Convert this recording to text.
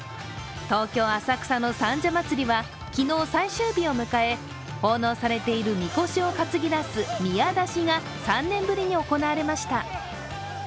東京・浅草の三社祭は昨日最終日を迎え奉納されているみこしを担ぎ出す宮出しが３年ぶりに行われました。